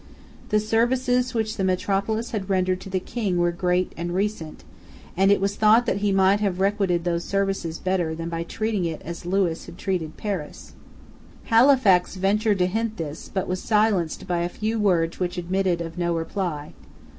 The services which the metropolis had rendered to the King were great and recent; and it was thought that he might have requited those services better than by treating it as Lewis had treated Paris. Halifax ventured to hint this, but was silenced by a few words which admitted of no reply.